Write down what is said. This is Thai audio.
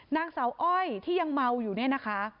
นางสาวอ้อยที่ยังเมาอยู่เนี่ยนะคะ